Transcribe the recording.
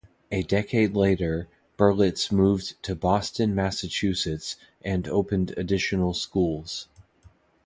A decade later, Berlitz moved to Boston, Massachusetts and opened additional schools.